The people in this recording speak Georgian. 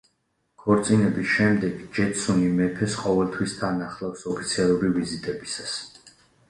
ქორწინების შემდეგ ჯეტსუნი მეფეს ყოველთვის თან ახლავს ოფიციალური ვიზიტებისას.